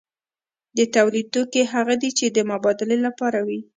د تولید توکي هغه دي چې د مبادلې لپاره وي.